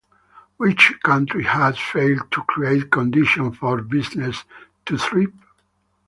Which countries have failed to create conditions for businesses to thrive?